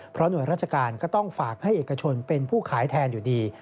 เพราะหน่วยราชการก็ต้องฝากให้เอกชนเป็นผู้ขายแทนอยู่ดี